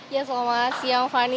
ya selamat siang fani